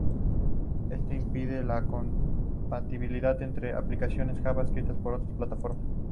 Esto impide la compatibilidad entre aplicaciones Java escritas para otras plataformas.